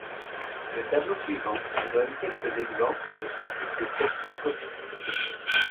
Le tableau suivant donne quelques exemples de ce type de spectroscopie.